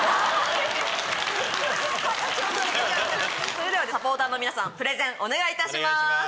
それではサポーターの皆さんプレゼンお願いいたします。